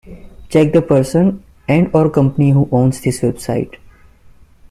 Check the person and/or company who owns this website.